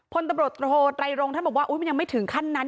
ผลประโยชน์โทรไตรงท่านบอกว่าอุ๊ยมันยังไม่ถึงขั้นนั้น